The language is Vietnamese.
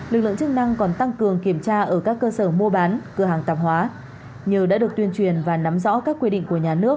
lực lượng chức năng còn đều không có giấy tờ chứng minh